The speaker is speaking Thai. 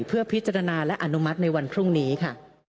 เพื่อพิจารณาและอนุมัติในวันพรุ่งนี้ค่ะ